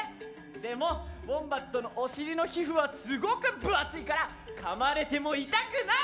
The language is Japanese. でもウォンバットのお尻の皮膚はすごく分厚いからかまれても痛くない！